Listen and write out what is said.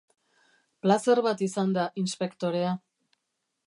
Plazer bat izan da, inspektorea.